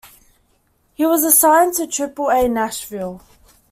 He was assigned to Triple-A Nashville.